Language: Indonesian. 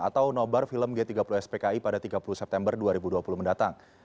atau nobar film g tiga puluh spki pada tiga puluh september dua ribu dua puluh mendatang